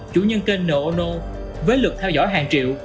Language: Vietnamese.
chủ nhân kênh norono với lực theo dõi hàng triệu